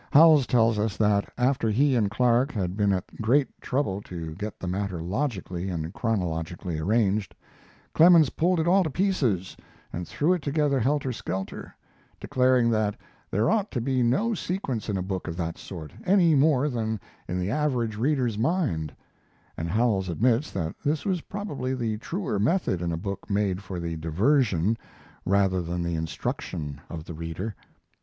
Howells tells us that, after he and Clark had been at great trouble to get the matter logically and chronologically arranged, Clemens pulled it all to pieces and threw it together helter skelter, declaring that there ought to be no sequence in a book of that sort, any more than in the average reader's mind; and Howells admits that this was probably the truer method in a book made for the diversion rather than the instruction of the reader.